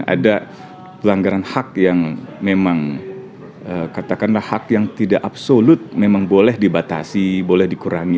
ada pelanggaran hak yang memang katakanlah hak yang tidak absolut memang boleh dibatasi boleh dikurangi